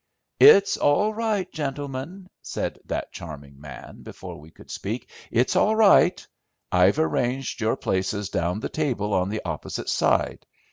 "It's all right, gentlemen," said that charming man, before we could speak; "it's all right. I've arranged your places down the table on the opposite side.